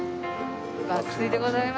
爆睡でございます。